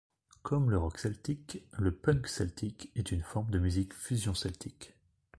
Comme le rock celtique, le punk celtique est une forme de musique fusion celtique.